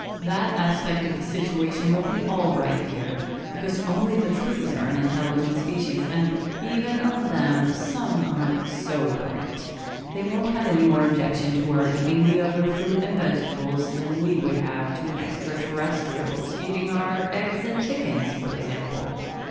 "That aspect of the situation will be all right, dear, because only the trees are an intelligent species and, even of them, some aren't so bright. They won't have any more objection to our eating the other fruit and vegetables than we would have to an extraterrestrial's eating our eggs and chickens, for example.